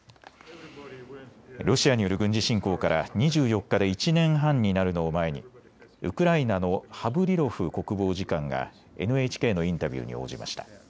ロシアによる軍事侵攻から２４日で１年半になるのを前にウクライナのハブリロフ国防次官がＮＨＫのインタビューに応じました。